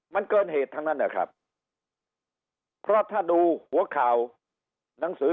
มันเกินเหตุทั้งนั้นนะครับเพราะถ้าดูหัวข่าวหนังสือ